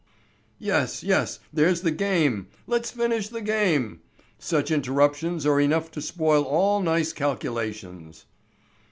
"Yes, yes, there's the game! Let's finish the game! Such interruptions are enough to spoil all nice calculations."